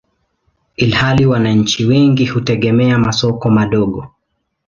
ilhali wananchi wengi hutegemea masoko madogo.